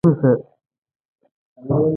لمسی له خپلو ملګرو سره درس کوي.